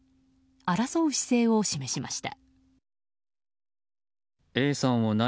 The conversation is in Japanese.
争う姿勢を示しました。